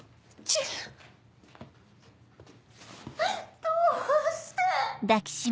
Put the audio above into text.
どうして！